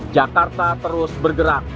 jakarta terus bergerak